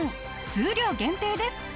数量限定です！